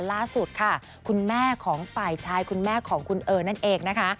ล่าสุดค่ะคุณแม่ของฝ่ายชายคุณแม่ของคุณเอ๋ยนั่นเองนะคะ